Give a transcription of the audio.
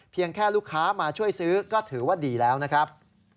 แค่ลูกค้ามาช่วยซื้อก็ถือว่าดีแล้วนะครับ